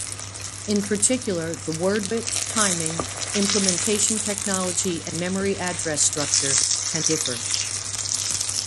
In particular, the word width, timing, implementation technology, and memory address structure can differ.